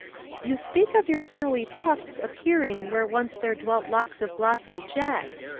"You speak of your snowy tufts appearing where once there dwelt locks of glossy jet.